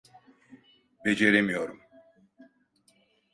Beceremiyorum.